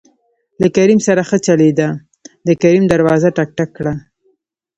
له کريم سره ښه چلېده د کريم دروازه ټک، ټک کړه.